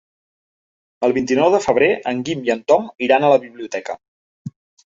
El vint-i-nou de febrer en Guim i en Tom iran a la biblioteca.